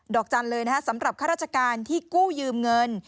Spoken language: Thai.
อกจันทร์เลยนะฮะสำหรับข้าราชการที่กู้ยืมเงิน